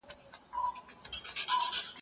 د هر فرد حقوق بايد مراعات سي.